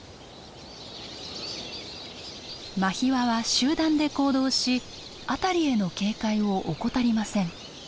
マヒワは集団で行動し辺りへの警戒を怠りません。